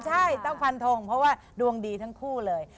ใช่ต้องฟันทงเพราะว่าดวงดีทั้งคู่เลย